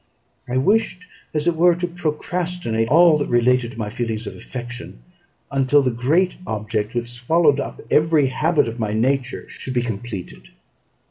I wished, as it were, to procrastinate all that related to my feelings of affection until the great object, which swallowed up every habit of my nature, should be completed.